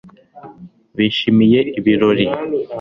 bishimiye ibirori